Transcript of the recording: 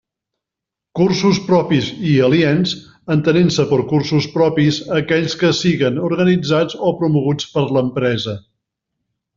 Cursos propis i aliens, entenent-se per cursos propis aquells que siguen organitzats o promoguts per l'empresa.